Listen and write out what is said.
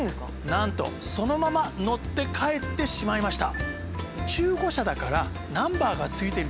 なんとそのまま乗って帰ってしまいました。